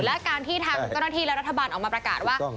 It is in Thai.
และการที่ทางเจ้าหน้าที่และรัฐบาลออกมาประกาศว่า